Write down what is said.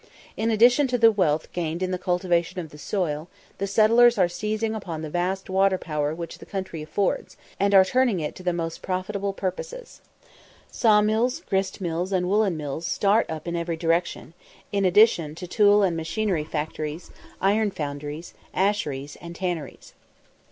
In addition to the wealth gained in the cultivation of the soil, the settlers are seizing upon the vast water power which the country affords, and are turning it to the most profitable purposes. Saw mills, grist mills, and woollen mills start up in every direction, in addition to tool and machinery factories, iron foundries, asheries, and tanneries.